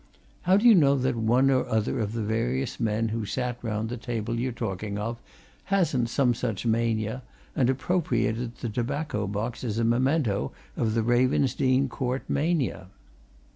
How do you know that one or other of the various men who sat round the table you're talking of hasn't some such mania and appropriated the tobacco box as a memento of the Ravensdene Court mania?"